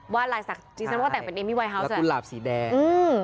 วาดลายสักจริงสักวันก็แต่งเป็นเอมมี่ไวน์ฮาวส์แล้วกุหลาบสีแดงอืม